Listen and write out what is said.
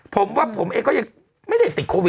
ผมว่าผมเองก็ยังไม่ได้ติดโควิด